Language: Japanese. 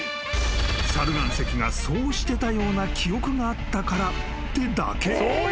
［猿岩石がそうしてたような記憶があったからってだけ］